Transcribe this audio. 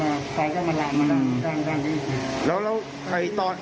แล้วก็กินเสร็จแล้วมาฟ้ายังมาหลับมาทางนี้